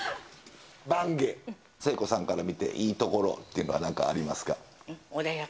坂下、成子さんから見ていいところっていうのは、なんかありますか？